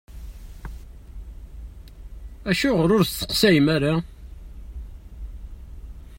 Acuɣer ur d-testeqsayem ara?